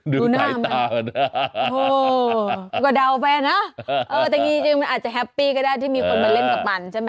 ดูหน้าเหมือนมันโห้ก็เดาเป็นนะเอองี้จริงมันอาจจะแฮปปี้ก็ได้ที่มีคนมาเล่นกับมันใช่ไหม